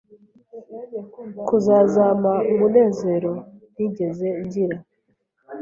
kuzazampa umunezero ntigeze ngira